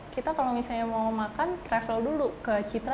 kita kalau misalnya mau makan travel dulu ke citra